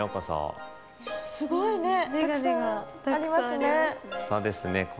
そうですね